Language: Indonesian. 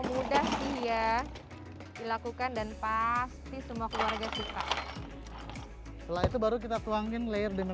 udah sih ya dilakukan dan pasti semua keluarga suka setelah itu baru kita tuangin layer dengan